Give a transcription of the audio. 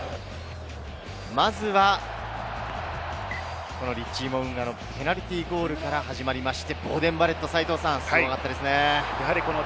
まずは、リッチー・モウンガのペナルティーゴールから始まって、ボーデン・バレット、すごかったですね。